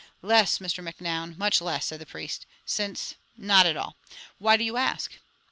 "Less, Mr. Macnoun, much less!" said the priest. "Since, not at all. Why do you ask?"